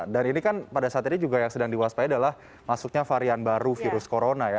dan ini kan pada saat ini juga yang sedang diwaspai adalah masuknya varian baru virus corona ya